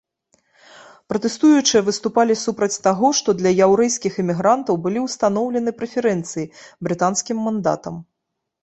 Пратэстуючыя выступалі супраць таго, што для яўрэйскіх імігрантаў былі ўстаноўлены прэферэнцыі брытанскім мандатам.